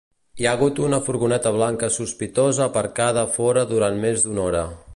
Hi ha hagut una furgoneta blanca sospitosa aparcada fora durant més d'una hora.